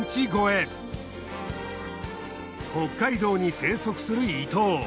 北海道に生息するイトウ